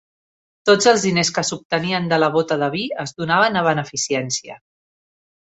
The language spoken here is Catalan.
Tots els diners que s'obtenien de la bota de vi es donaven a beneficència.